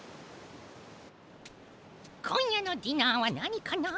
今夜のディナーは何かな。